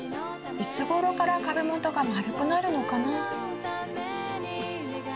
いつごろから株元が丸くなるのかな？